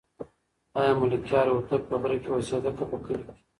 آیا ملکیار هوتک په غره کې اوسېده که په کلي کې؟